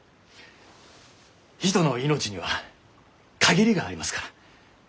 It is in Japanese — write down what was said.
人の命には限りがありますから。